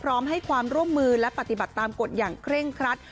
พร้อมให้ความร่วมมือและปฏิบัติตามกฎอย่างเคร่งครัด